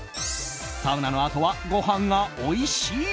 サウナのあとはごはんがおいしい。